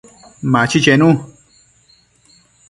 Machi chenu